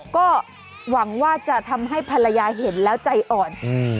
ก็หวังว่าจะทำให้ภรรยาเห็นแล้วใจอ่อน